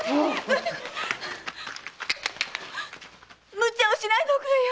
無茶をしないでおくれよ！